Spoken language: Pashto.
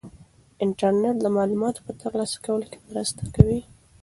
انټرنيټ د معلوماتو په ترلاسه کولو کې مرسته کوي.